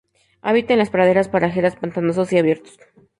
Habita en las praderas y parajes pantanosos y abiertos.